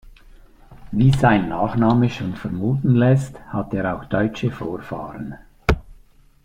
Wie sein Nachname schon vermuten lässt, hat er auch deutsche Vorfahren.